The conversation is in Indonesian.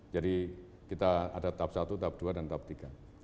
jadi kita ada tahap satu tahap dua dan tahap tiga